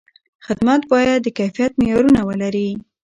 خدمت باید د کیفیت معیارونه ولري.